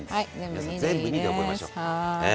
皆さん全部２で覚えましょう。